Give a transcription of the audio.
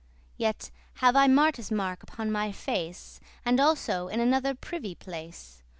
[Yet have I Marte's mark upon my face, And also in another privy place.